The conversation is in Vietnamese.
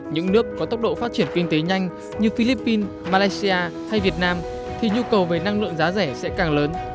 những nước có tốc độ phát triển kinh tế nhanh như philippines malaysia hay việt nam thì nhu cầu về năng lượng giá rẻ sẽ càng lớn